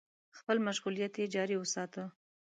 خپل مشغولیت يې جاري وساته.